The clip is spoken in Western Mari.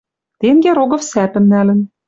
Тенге Рогов сӓпӹм нӓлӹн